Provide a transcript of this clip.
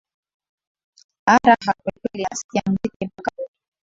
aa raha kwelikweli nasikia muziki mpaka huku